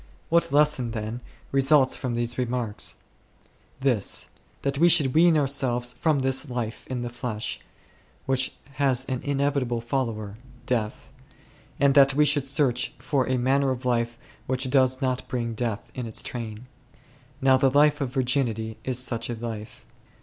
What lesson, then, results from these remarks ? This : that we should wean ourselves from this life in the flesh, which has an inevit able follower, death ; and that we should search for a manner of life which does not bring death in its train. Now the life of Virginity is such a life.